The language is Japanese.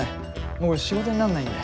もう仕事になんないんで。